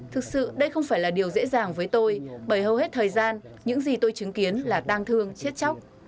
thực sự đây không phải là điều dễ dàng với tôi bởi hầu hết thời gian những gì tôi chứng kiến là tang thương chết chóc